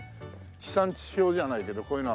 地産地消じゃないけどこういうの。